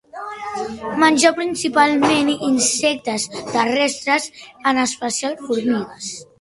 Menja principalment insectes terrestres, en especial formigues.